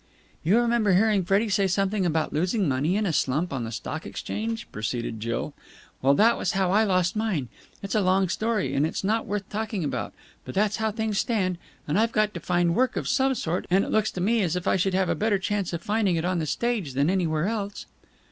"You remember hearing Freddie say something about losing money in a slump on the Stock Exchange," proceeded Jill. "Well, that was how I lost mine. It's a long story, and it's not worth talking about, but that's how things stand, and I've got to find work of some sort, and it looks to me as if I should have a better chance of finding it on the stage than anywhere else."